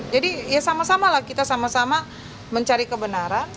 jadi ya sama sama lah kita sama sama mencari kebenaran